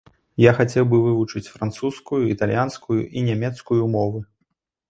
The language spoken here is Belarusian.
Я хацеў бы вывучыць французскую, італьянскую і нямецкую мовы.